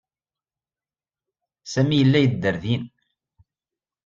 Sami yella yedder din.